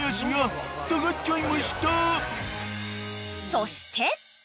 ［そして］